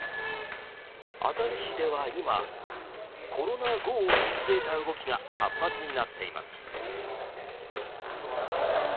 熱海市では、今コロナ後を見据えた動きが活発になっています。